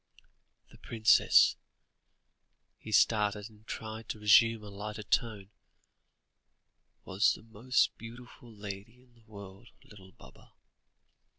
The princess" he started, and tried to resume a lighter tone "was the most beautiful lady in the world, little Baba."